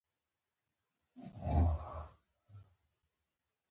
خوړل د مغزو فعالیت ته زور ورکوي